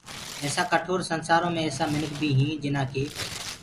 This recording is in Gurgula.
ايسآ ڪٺور سنسآرو ايسآ مِنک بي هيٚنٚ جنآ ڪي